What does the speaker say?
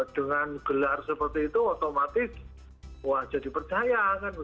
dengan gelar seperti itu otomatis wah jadi percaya